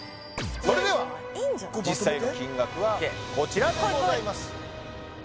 それでは実際の金額はこちらでございます